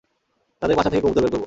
তাদের পাছা থেকে কবুতর বের করব।